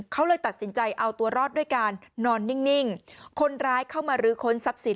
เขาเลยตัดสินใจเอาตัวรอดด้วยการนอนนิ่งคนร้ายเข้ามาลื้อค้นทรัพย์สิน